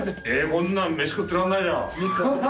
こんなの飯食ってらんないじゃん！